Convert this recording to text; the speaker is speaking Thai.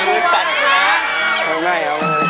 มือสั่นเนี้ย